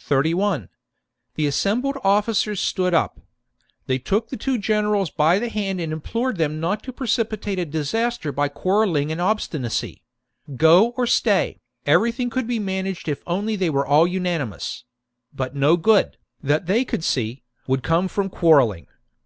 ^^ 3 1 . The assembled officers st^od up. They Sabinus took the two generals by the hand and accept it. implored them not to precipitate a disaster by quarrelling and obstinacy ; go or stay, everything could be managed if only they were all unani mous ; but no good, that they could see, would .come from quarrellirig.